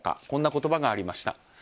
こんな言葉がありました。